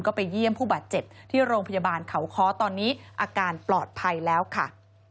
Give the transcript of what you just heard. ก็ไปเยี่ยมผู้บาดเจ็บที่โรงพยาบาลเขาค้อตอนนี้อาการปลอดภัยแล้วค่ะ